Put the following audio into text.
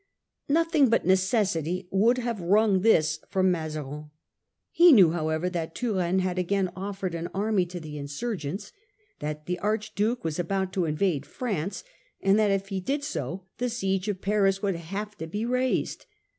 Nothing but necessity would have wrung this from Mazarin. He knew however that Turenne had again offered an army to the insurgents, that the Archduke was about to invade France, and that if he did so the siege of Paris would have to be raised.